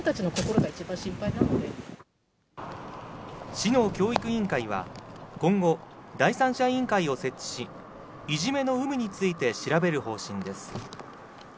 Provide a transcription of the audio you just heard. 市の教育委員会は今後、第三者委員会を設置し、いじめの有無について調べる方針です。